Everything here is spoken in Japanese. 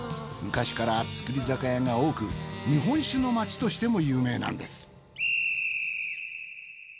昔から造り酒屋が多く日本酒の町としても有名なんです。